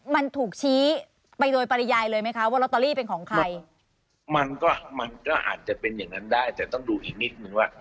มันก็อาจจะเป็นอย่างนั้นได้แต่ต้องดูอีกนิด